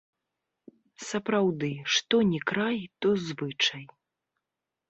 Сапраўды, што ні край, то звычай.